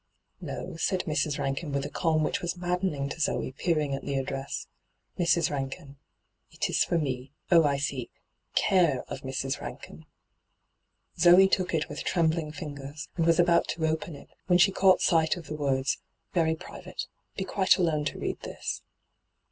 ' No,' said Mra. Rankin, with a calm which was maddenitjg to Zoe, peering at the address :'" Mrs. Bankin." It is for me. Oh, I see — Cflwe of Mrs. Rankin !' Zoe took it with trembling fingers, and was about to open it, when she caught sight of hyGoogIc ENTRAPPED 273 the words, ' Very private. Be quite alone to read this.'